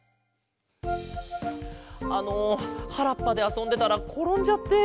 あのはらっぱであそんでたらころんじゃって。